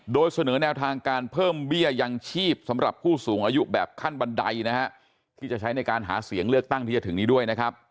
โดยเสนอแนวทางการเพิ่มเบี้ยยังชีพสำหรับผู้สูงอายุแบบขั้นบันไดนะฮะที่จะใช้ในการหาเสียงเลือกตั้งที่จะถึงนี้ด้วยนะครับ